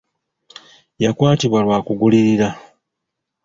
Yakwatibwa lwa kugulirira.